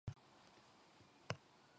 福井県高浜町